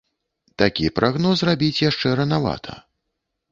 Такі прагноз рабіць яшчэ ранавата.